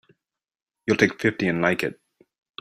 You'll take fifty and like it!